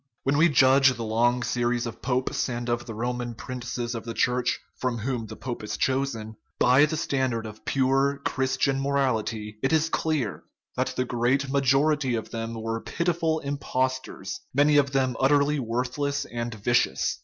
When we judge the long series of popes and of the Ro< 324 SCIENCE AND CHRISTIANITY man princes of the Church, from whom the pope is chosen, by the standard of pure Christian morality, it is clear that the great majority of them were pitiful impostors, many of them utterly worthless and vicious.